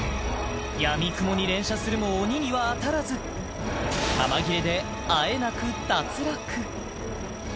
やみくもに連射するも鬼には当たらず弾切れであえなく脱落